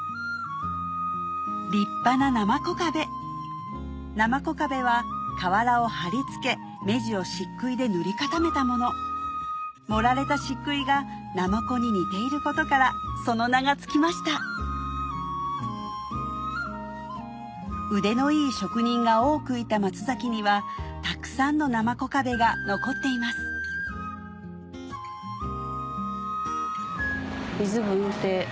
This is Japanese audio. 立派ななまこ壁なまこ壁は瓦を貼り付け目地を漆喰で塗り固めたもの盛られた漆喰がなまこに似ていることからその名が付きました腕のいい職人が多くいた松崎にはたくさんのなまこ壁が残っています伊豆文邸。